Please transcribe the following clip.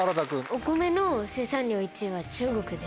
お米の生産量１位は中国です。